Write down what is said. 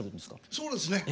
そうですね。